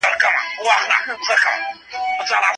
که مجازي ټولګي وي، زده کوونکي خپل نظر شریکوي.